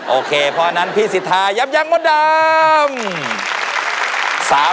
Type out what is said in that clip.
โอเคพออันนั้นพี่สิทธายับยั้งมดำ